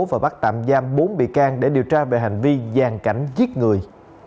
và bắt tạm giam bốn bị can để điều tra về hành vi gian cảnh giết người